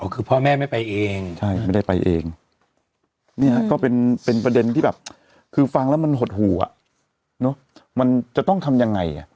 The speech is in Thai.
คือพ่อแม่ไม่ไปเองใช่ไม่ได้ไปเองเนี่ยก็เป็นประเด็นที่แบบคือฟังแล้วมันหดหูอ่ะมันจะต้องทำยังไง